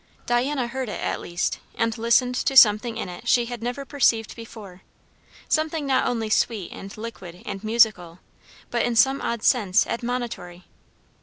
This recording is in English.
Diana heard it, at least, and listened to something in it she had never perceived before; something not only sweet and liquid and musical, but in some odd sense admonitory.